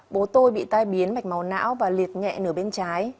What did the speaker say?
bố tôi bị tai biến mạch máu não và liệt nhẹ nửa bên trái